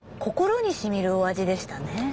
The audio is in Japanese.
心にしみるお味でしたね。